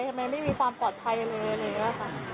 ทำไมไม่มีความปลอดภัยเลยอะไรอย่างนี้ค่ะ